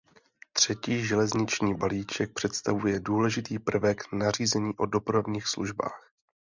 Třetí železniční balíček představuje důležitý prvek nařízení o dopravních službách.